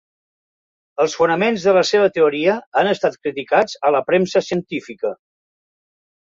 Els fonaments de la seva teoria han estat criticats a la premsa científica.